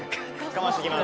かましてきます。